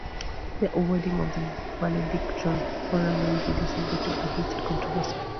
The awarding of the valedictorian honor may be the subject of heated controversy.